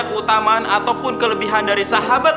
keutamaan ataupun kelebihan dari sahabat